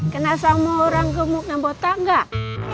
kena sama orang gemuk yang botak gak